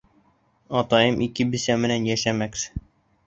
Атайым ике бисә менән йәшәмәксе.